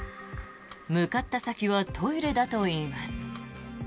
向かった先はトイレだといいます。